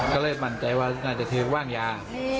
ก็เลยมั่นใจว่าน่าจะคือว่างยา